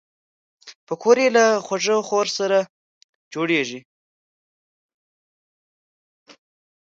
پکورې له خوږې خور سره جوړېږي